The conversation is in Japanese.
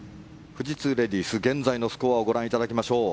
富士通レディースゴルフ現在のスコアをご覧いただきましょう。